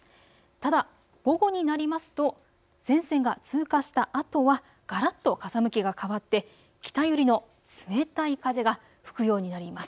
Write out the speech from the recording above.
ただ午後になりますと前線が通過したあとはがらっと風向きが変わって北寄りの冷たい風が吹くようになります。